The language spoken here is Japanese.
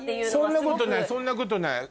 そんなことないそんなことない。